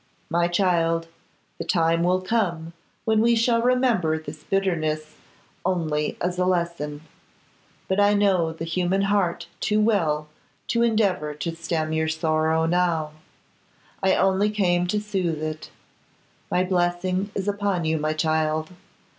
'My child, the time will come when we shall remember this bitterness only as a lesson. But I know the human heart too well to endeavour to stem your sorrow now; I only came to soothe it. My blessing is upon you, my child.